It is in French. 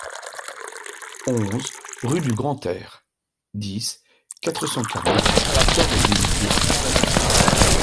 onze rue du Grand-Air, dix, quatre cent quarante, Torvilliers